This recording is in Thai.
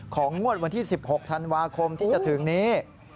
งวดวันที่๑๖ธันวาคมที่จะถึงนี้